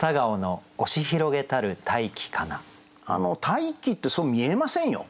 大気ってそう見えませんよ。